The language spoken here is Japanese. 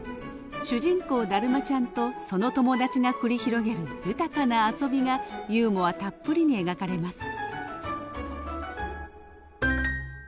主人公だるまちゃんとその友達が繰り広げる豊かな遊びがユーモアたっぷりに描かれます。